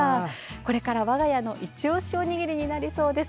これから、我が家のイチオシおにぎりになりそうです。